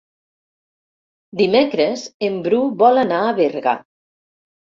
Dimecres en Bru vol anar a Berga.